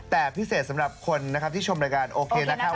แต่พิเศษสำหรับคนที่ชมรายการโอเคนะคะ